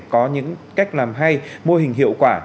có những cách làm hay mô hình hiệu quả